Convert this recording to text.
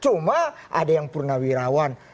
cuma ada yang purnawirawan